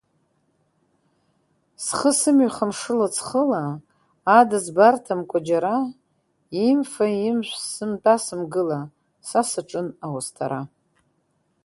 Схы сымҩаха мшыла-ҵхыла, Ада збарҭамкәа џьара, имфа-имжә, сымтәа-сымгыла, са саҿын ауасҭара.